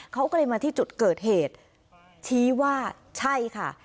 เขาก็เลยมาที่จุดเกิดเหตุชี้ว่าใช่ค่ะ